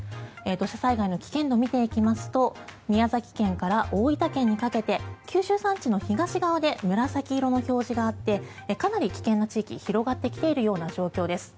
土砂災害の危険度を見ていきますと宮崎県から大分県にかけて九州山地の東側で紫色の表示があってかなり危険な地域が広がってきているような状況です。